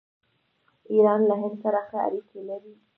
ایران له هند سره ښه اړیکې لري.